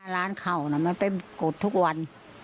๕ล้านเข่านั้นไปปิดกดทุกวัน